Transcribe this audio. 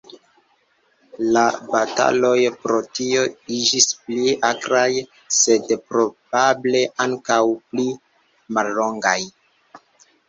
La bataloj pro tio iĝis pli akraj, sed probable ankaŭ pli mallongaj.